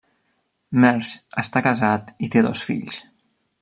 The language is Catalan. Mersch està casat i té dos fills.